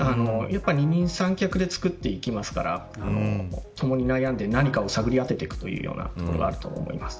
やっぱり、二人三脚で作っていきますからともに悩んで何かを探り当てていくというようなところがあると思います。